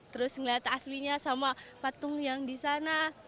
terus ngeliat aslinya sama patung yang di sana